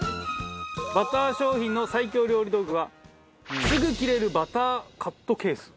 バター商品の最強料理道具はすぐ切れるバターカットケース。